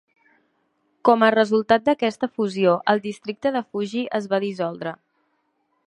Com a resultat d"aquesta fusió, el districte de Fuji es va dissoldre.